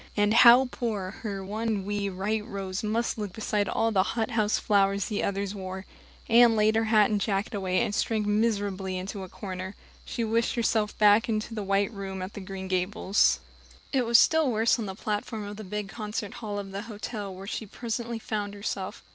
And how poor her one wee white rose must look beside all the hothouse flowers the others wore! Anne laid her hat and jacket away, and shrank miserably into a corner. She wished herself back in the white room at Green Gables. It was still worse on the platform of the big concert hall of the hotel, where she presently found herself.